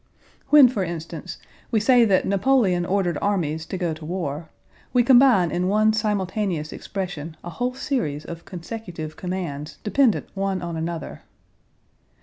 When, for instance, we say that Napoleon ordered armies to go to war, we combine in one simultaneous expression a whole series of consecutive commands dependent one on another.